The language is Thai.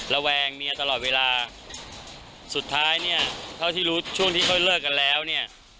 ระแวงเมียตลอดเวลาสุดท้ายเนี่ยเท่าที่รู้ช่วงที่เขาเลิกกันแล้วเนี่ย